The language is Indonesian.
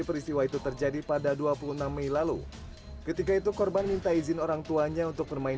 peristiwa itu terjadi pada dua puluh enam mei lalu ketika itu korban minta izin orangtuanya untuk bermain